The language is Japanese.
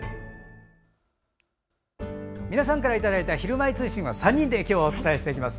皆さんからいただいた「ひるまえ通信」を３人で今日はお伝えしていきます。